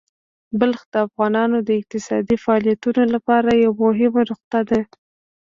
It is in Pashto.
بلخ د افغانانو د اقتصادي فعالیتونو لپاره یوه مهمه نقطه ده.